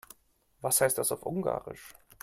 Was heißt das auf Ungarisch?